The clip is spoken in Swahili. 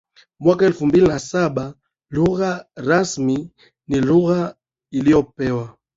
mwaka elfu mbili na saba Lugha rasmi ni lugha iliyopewa